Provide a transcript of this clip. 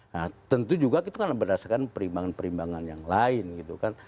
nah tentu juga itu kan berdasarkan perimbangan perimbangan yang lain gitu kan